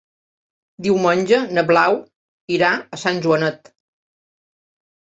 Diumenge na Blau irà a Sant Joanet.